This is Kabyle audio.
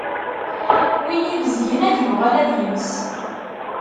Win ibezgen, ad yuɣal ad yens.